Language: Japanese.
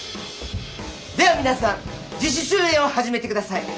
では皆さん自主修練を始めてください。